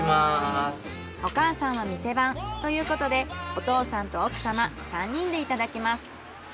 お母さんは店番ということでお父さんと奥様３人でいただきます。